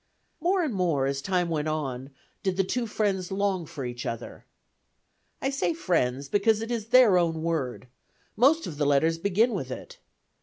More and more as time went on, did the two friends long for each other. I say "friends," because it is their own word; most of the letters begin with it.